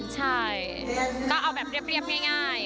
ใช่ก็เอาแบบเรียบง่าย